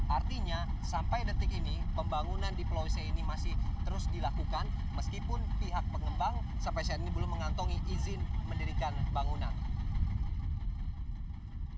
artinya sampai detik ini pembangunan di pulau c ini masih terus dilakukan meskipun pihak pengembang sampai saat ini belum mengantongi izin mendirikan bangunan